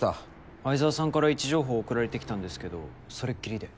愛沢さんから位置情報送られてきたんですけどそれっきりで。